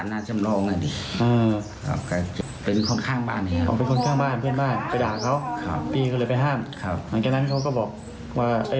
ทางด้านของนักศงควรงสคเคราะห์ค่ะ